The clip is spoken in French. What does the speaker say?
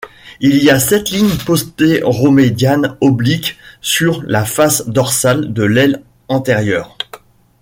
Il y a sept lignes postéro-médianes obliques sur la face dorsale de l'aile antérieure.